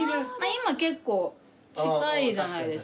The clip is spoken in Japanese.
今結構近いじゃないですか。